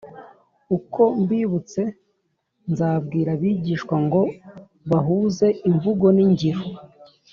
uko mbibutse nzabwira abigisha ngo bahuze imvugo n'ingiro,